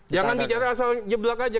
jangan bicara asal jeblak aja